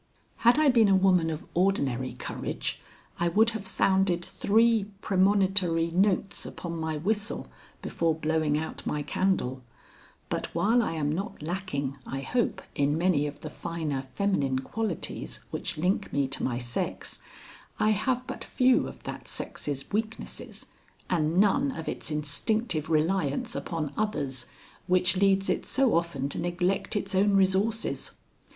Had I been a woman of ordinary courage, I would have sounded three premonitory notes upon my whistle before blowing out my candle, but while I am not lacking, I hope, in many of the finer feminine qualities which link me to my sex, I have but few of that sex's weaknesses and none of its instinctive reliance upon others which leads it so often to neglect its own resources.